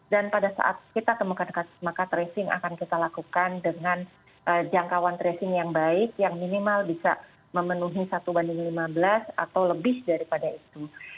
dan pada saat kita temukan kasus maka tracing akan kita lakukan dengan jangkauan tracing yang baik yang minimal bisa memenuhi satu banding lima belas atau lebih daripada itu